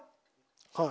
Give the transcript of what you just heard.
はい。